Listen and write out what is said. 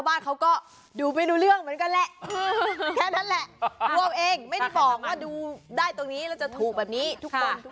มันก็บอกแล้วไงว่าดูเอาเอง